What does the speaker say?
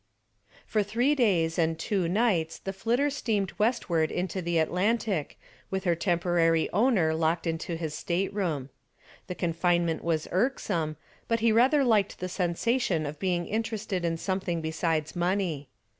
For three days and two nights the "Flitter" steamed westward into the Atlantic, with her temporary owner locked into his stateroom. The confinement was irksome, but he rather liked the sensation of being interested in something besides money.